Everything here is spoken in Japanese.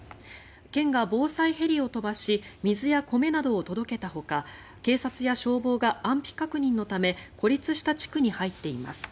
県が防災ヘリを飛ばし水や米などを届けたほか警察や消防が安否確認のため孤立した地区に入っています。